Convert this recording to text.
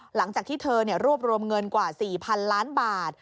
หลังจากที่เธอรวบรวมเงินกว่า๔๐๐๐ล้านบาท